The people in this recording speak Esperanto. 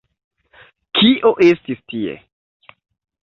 Kio estis tie?